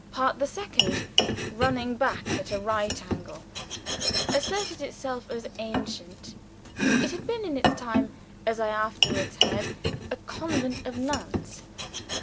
Part the Second, running back at a right angle, asserted itself as ancient. It had been, in its time, as I afterwards heard, a convent of nuns.